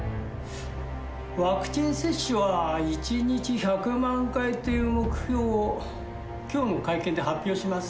ワクチン接種は、１日１００万回という目標、きょうの会見で発表します。